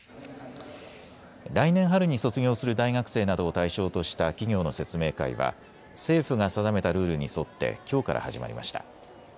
来年春に卒業する大学生などを対象とした企業の説明会は政府が定めたルールに沿ってきょうから始まりました。